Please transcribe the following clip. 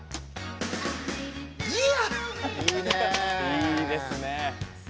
いいですね。